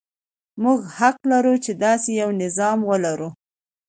موږ حق لرو چې داسې یو نظام ولرو.